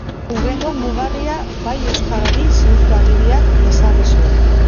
Hurrengo mugarria Bai Euskarari Ziurtagiriak ezarri zuen.